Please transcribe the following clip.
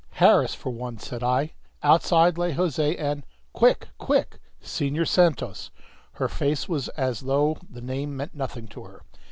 "Harris for one," said I. "Outside lie José and " "Quick! Quick!" "Senhor Santos." Her face was as though the name meant nothing to her.